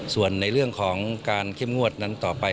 ส่วนในเรื่องของการเข้มงวดนั้นต่อไป